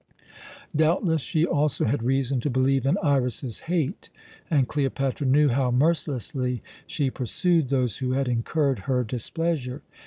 Doubtless she also had reason to believe in Iras's hate, and Cleopatra knew how mercilessly she pursued those who had incurred her displeasure.